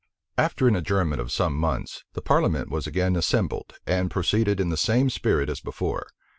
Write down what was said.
After an adjournment of some months, the parliament was again assembled, and proceeded in the same spirit as before.